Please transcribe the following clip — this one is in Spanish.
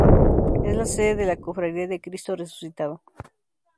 Es la sede de la Cofradía de Cristo Resucitado.